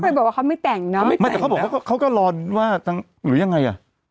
ไปบอกว่าเขาไม่แต่งเนาะไม่แต่เขาบอกว่าเขาก็รอนว่าหรือยังไงอ่ะ